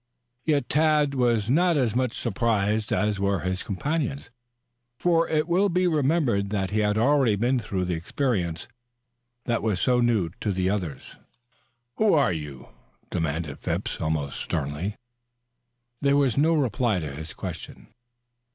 Yet Tad was not as much surprised as were his companions, for it will be remembered he already had been through the experience that was so new to the others. "Who are you?" demanded Mr. Phipps almost sternly. There was no reply to his question.